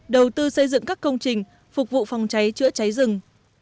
đầu tư xây dựng các công trình phục vụ phòng cháy chữa cháy rừng